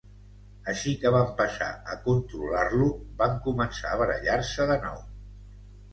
Així que van passar a controlar-lo, van començar a barallar-se de nou.